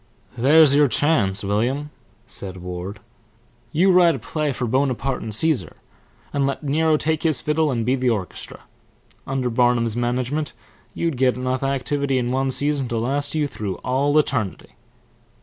"There's your chance, William," said Ward. "You write a play for Bonaparte and Caesar, and let Nero take his fiddle and be the orchestra. Under Barnum's management you'd get enough activity in one season to last you through all eternity."